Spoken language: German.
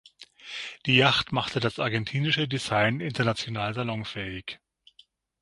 Die Yacht machte das argentinische Design international salonfähig.